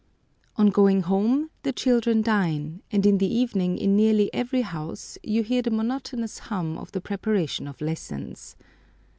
On going home the children dine, and in the evening in nearly every house you hear the monotonous hum of the preparation of lessons.